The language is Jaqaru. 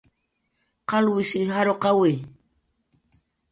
qalwishi jarwqawi